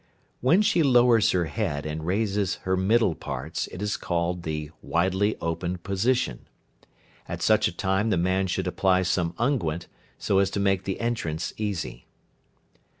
When she lowers her head and raises her middle parts, it is called the "widely opened position." At such a time the man should apply some unguent, so as to make the entrance easy.